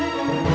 kamu masih bisa